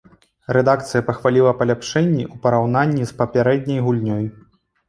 Рэдакцыя пахваліла паляпшэнні ў параўнанні з папярэдняй гульнёй.